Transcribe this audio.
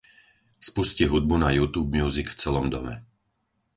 Spusti hudbu na youtube music v celom dome.